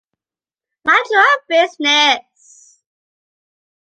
Mind your own business!